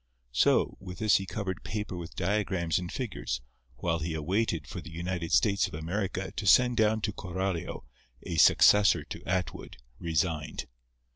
So, with this he covered paper with diagrams and figures while he waited for the United States of America to send down to Coralio a successor to Atwood, resigned.